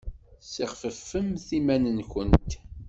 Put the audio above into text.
Ssixfefemt iman-nwent!